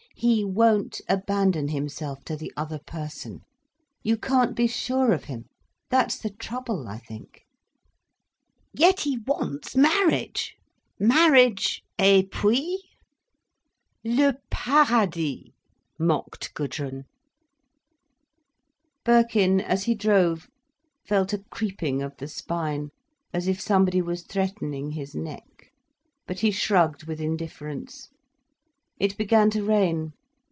"He won't abandon himself to the other person. You can't be sure of him. That's the trouble I think." "Yet he wants marriage! Marriage—et puis?" "Le paradis!" mocked Gudrun. Birkin, as he drove, felt a creeping of the spine, as if somebody was threatening his neck. But he shrugged with indifference. It began to rain.